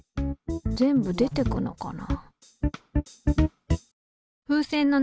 全部出てくのかな